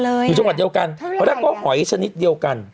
อยู่ในจังหวัดเดียวกันเพราะนั้นก็หอยชนิดเดียวกัน